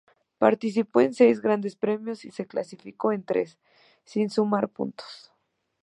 Participó en seis Grandes Premios y se clasificó en tres, sin sumar puntos.